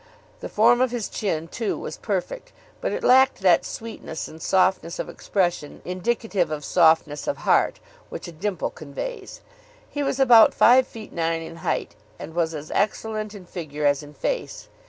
The form of his chin too was perfect, but it lacked that sweetness and softness of expression, indicative of softness of heart, which a dimple conveys. He was about five feet nine in height, and was as excellent in figure as in face.